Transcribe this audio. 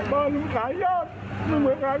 พ่อลูกขายอาทิตย์ลูกขายกระตุง